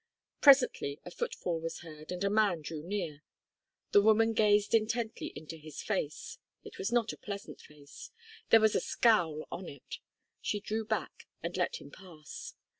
Presently a foot fall was heard, and a man drew near. The woman gazed intently into his face. It was not a pleasant face. There was a scowl on it. She drew back and let him pass.